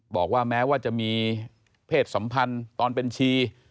บอกว่าแม้ว่าจะมีเพศสัมพันธ์ตอนเป็นชี